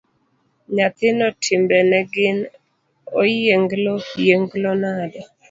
Nyathino timbene gin oyienglo yienglo nade.